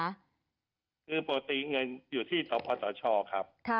คือปกติเงินอยู่ที่สพสชครับ